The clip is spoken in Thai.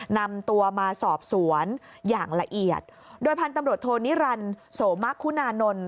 นำตัวมาสอบสวนอย่างละเอียดโดยพันธุ์ตำรวจโทนิรันดิ์โสมะคุณานนท์